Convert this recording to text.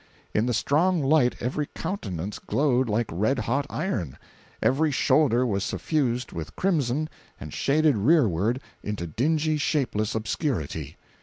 In the strong light every countenance glowed like red hot iron, every shoulder was suffused with crimson and shaded rearward into dingy, shapeless obscurity!